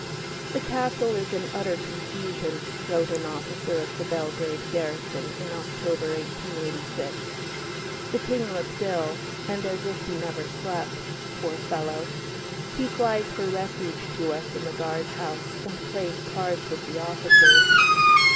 "The castle is in utter confusion," wrote an officer of the Belgrade garrison, in October, 1886. "The King looks ill, and as if he never slept. Poor fellow! he flies for refuge to us in the guard house, and plays cards with the officers.